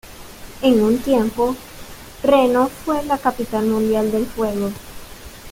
En un tiempo, Reno fue la capital mundial del juego.